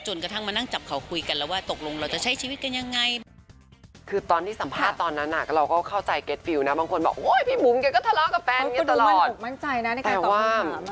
จนกระทั่งมานั่งจับเขาคุยกันแล้วว่า